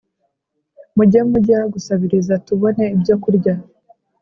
Muge mujya gusabiriza tubone ibyo kurya